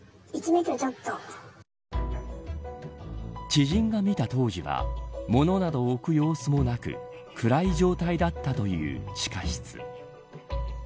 知人が見た当時は物などを置く様子もなく暗い状態だったという地下室。